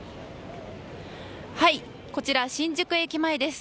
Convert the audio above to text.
こちら新宿駅前です。